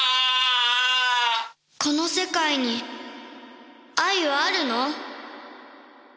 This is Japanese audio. この世界に愛はあるの？